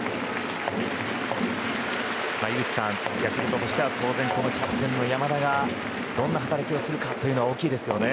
井口さん、ヤクルトとしては当然キャプテンの山田がどんな働きをするかは大きいですよね。